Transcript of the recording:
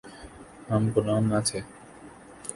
ہم غلام نہ تھے۔